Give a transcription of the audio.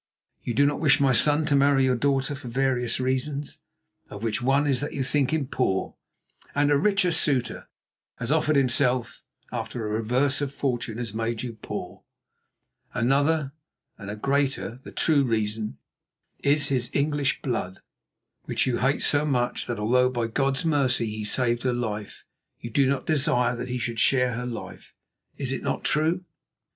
"You do not wish my son to marry your daughter for various reasons, of which one is that you think him poor and a richer suitor has offered himself after a reverse of fortune has made you poor. Another and a greater, the true reason, is his English blood, which you hate so much that, although by God's mercy he saved her life, you do not desire that he should share her life. Is it not true?"